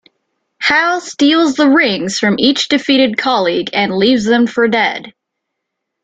Hal steals the rings from each defeated colleague and leaves them for dead.